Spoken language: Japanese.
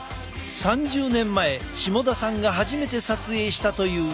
３０年前下田さんが初めて撮影したという腸のリンパ管。